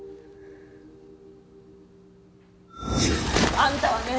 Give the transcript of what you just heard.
あんたはね